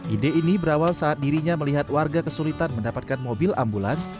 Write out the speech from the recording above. ide ini berawal saat dirinya melihat warga kesulitan mendapatkan mobil ambulans